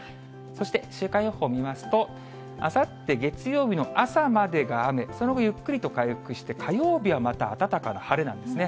そして週間予報見ますと、あさって月曜日の朝までが雨、その後ゆっくりと回復して、火曜日はまた暖かな晴れなんですね。